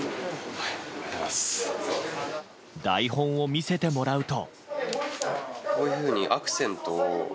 台本を見せてもらうと。